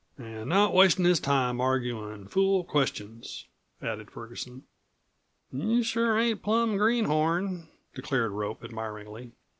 "An' not wastin' his time arguin' fool questions," added Ferguson. "You sure ain't plum greenhorn," declared Rope admiringly.